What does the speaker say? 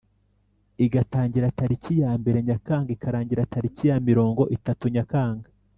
igatangira taliki ya mbere nyakanga ikarangira taliki ya mirongo itatu nyakanga